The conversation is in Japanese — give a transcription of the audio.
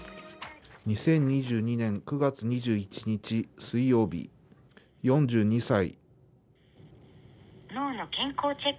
２０２２年９月２１日水曜日、４２歳。